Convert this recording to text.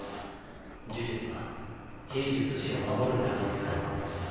呪術は非術師を守るためにある。